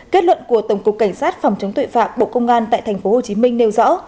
kết luận của tổng cục cảnh sát phòng chống tội phạm bộ công an tại tp hcm nêu rõ